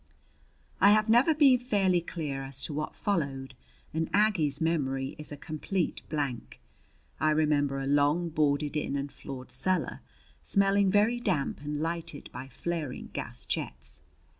I have never been fairly clear as to what followed and Aggie's memory is a complete blank. I remember a long, boarded in and floored cellar, smelling very damp and lighted by flaring gas jets.